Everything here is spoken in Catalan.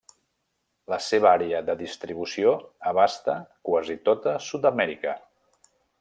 La seva àrea de distribució abasta quasi tota Sud-amèrica.